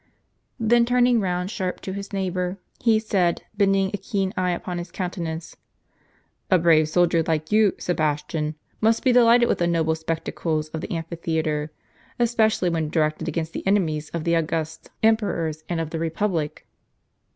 Then turning round sharp to his neighbor, he said, bending a keen eye upon his countenance : "A brave soldier like you, Sebastian, must be delighted with the noble specta cles of the amphitheatre, especially when directed against the enemies of the august emperors, and of the republic."